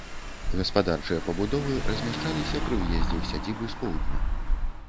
Гаспадарчыя пабудовы размяшчаліся пры ўездзе ў сядзібу з поўдня.